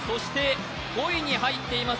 ５位に入っています